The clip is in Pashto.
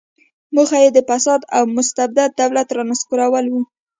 موخه یې د فاسد او مستبد دولت رانسکورول و.